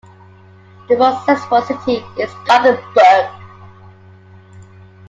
The most successful city is Gothenburg.